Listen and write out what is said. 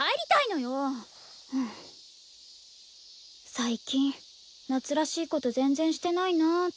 最近夏らしいこと全然してないなって。